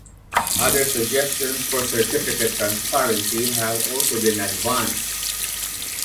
Other suggestions for certificate transparency have also been advanced.